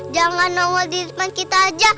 jangan nongol di depan kita aja